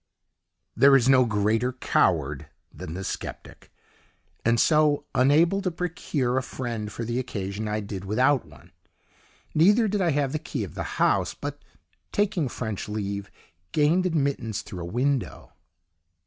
There is no greater coward than the sceptic, and so, unable to procure a friend for the occasion, I did without one; neither did I have the key of the house, but taking French leave gained admittance through a window.